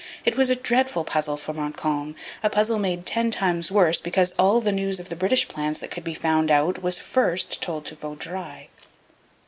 It was a dreadful puzzle for Montcalm, a puzzle made ten times worse because all the news of the British plans that could be found out was first told to Vaudreuil.